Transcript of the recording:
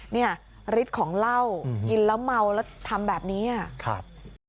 เนี่ยฤทธิ์ของเหล้ากินแล้วเมาแล้วทำแบบนี้อ่ะครับ